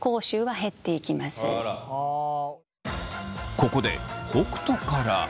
ここで北斗から。